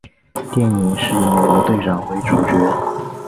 电影是以美国队长为主角。